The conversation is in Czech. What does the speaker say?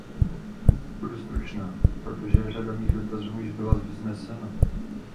Budu stručná, protože řada mých dotazů již byla vznesena.